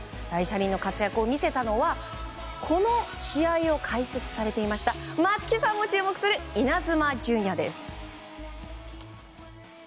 大車輪の活躍を見せたのはこの試合を解説されていました松木さんも注目するイナズマ純也です。